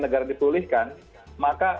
negara dipulihkan maka